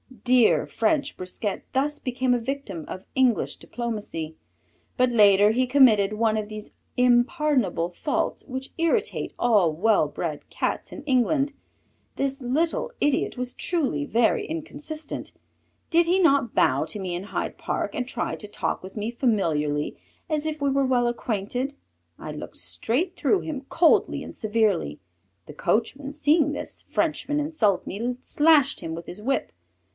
Dear French Brisquet thus became a victim of English diplomacy, but later he committed one of these impardonable faults which irritate all well bred Cats in England. This little idiot was truly very inconsistent. Did he not bow to me in Hyde Park and try to talk with me familiarly as if we were well acquainted? I looked straight through him coldly and severely. The coachman seeing this Frenchman insult me slashed him with his whip.